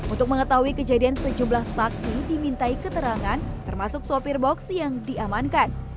untuk mengetahui kejadian sejumlah saksi dimintai keterangan termasuk sopir box yang diamankan